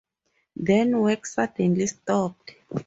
Then work suddenly stopped.